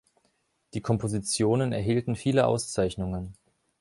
Die Kompositionen erhielten viele Auszeichnungen.